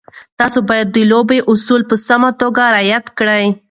تاسو باید د لوبې اصول په سمه توګه رعایت کړئ.